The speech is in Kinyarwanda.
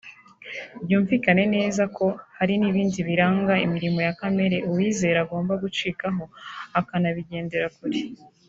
Byumvikane neza ko hari n’ibindi biranga imirimo ya kamere uwizera agomba gucikaho akanabigendera kure